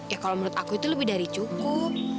ya kalau menurut aku itu lebih dari cukup